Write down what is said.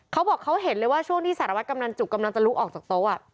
เขาบอกเขาเห็นเลยว่าช่วงที่สารวัตรกำนันจุกกำลังจะลุกออกจากโต๊ะ